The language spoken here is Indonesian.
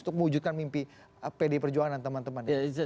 untuk mewujudkan mimpi pd perjuangan dan teman teman